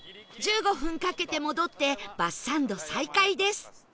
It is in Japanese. １５分かけて戻ってバスサンド再開です